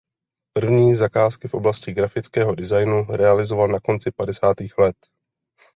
První zakázky v oblasti grafického designu realizoval na konci padesátých let.